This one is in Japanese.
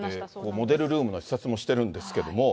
モデルルームの視察もしてるんですけども。